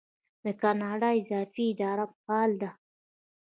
د کاناډا فضایی اداره فعاله ده.